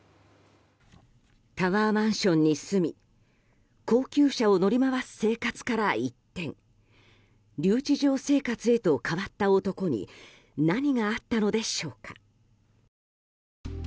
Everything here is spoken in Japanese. タワーマンションに住み高級車を乗り回す生活から一転留置場生活へと変わった男に何があったのでしょうか。